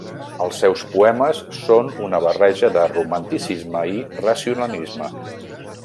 Els seus poemes són una barreja de romanticisme i racionalisme.